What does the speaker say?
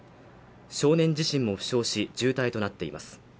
少年自身も負傷し重体となっています